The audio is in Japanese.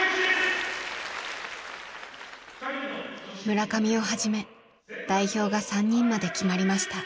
村上をはじめ代表が３人まで決まりました。